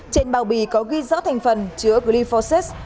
trên bao bì có ghi rõ thành phần chứa glyphosate